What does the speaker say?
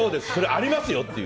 ありますよって。